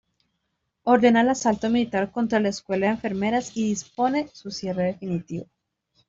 Ordena el asalto militar contra la Escuela de Enfermeras, y dispone su cierre definitivo.